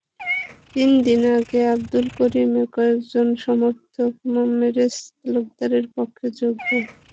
তিন দিন আগে আবদুল করিমের কয়েকজন সমর্থক মোমরেজ তালুকদারের পক্ষে যোগ দেন।